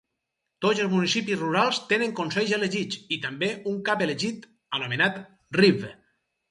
Tots els municipis rurals tenen consells elegits, i també un cap elegit anomenat "reeve".